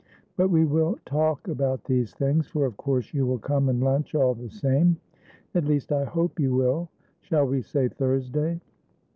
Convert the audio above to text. But we will talk about these things, for of course you will come and lunch all the same, at least I hope you will. Shall we say Thursday?